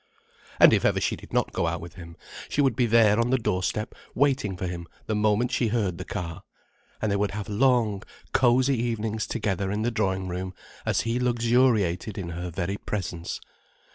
And if ever she did not go out with him, she would be there on the doorstep waiting for him the moment she heard the car. And they would have long, cosy evenings together in the drawing room, as he luxuriated in her very presence.